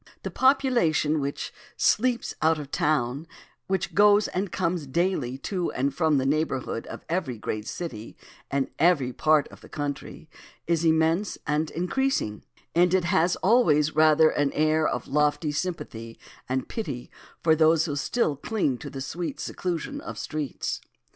The population which "sleeps out of town," which goes and comes daily to and from the neighborhood of every great city in every part of the country, is immense and increasing, and it has always rather an air of lofty sympathy and pity for those who still cling to the "sweet seclusion of streets."